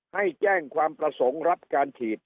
ให้แจ้งความประสงค์รับการฉีด